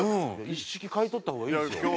一式買い取った方がいいですよ。